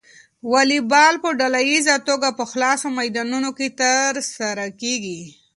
واليبال په ډله ییزه توګه په خلاصو میدانونو کې ترسره کیږي.